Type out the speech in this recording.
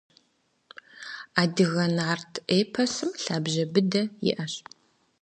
Адыгэ нарт эпосым лъабжьэ быдэ иӏэщ.